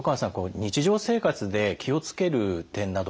日常生活で気を付ける点などはありますか？